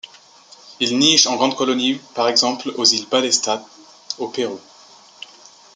Il niche en grandes colonies, par exemple aux Iles Ballestas au Pérou.